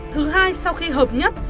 thứ hai sau khi hợp nhất